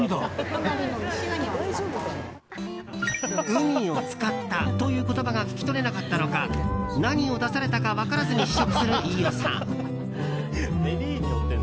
ウニを使ったという言葉が聞き取れなったのか何を出されたか分からずに試食する飯尾さん。